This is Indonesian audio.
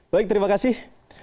baik terima kasih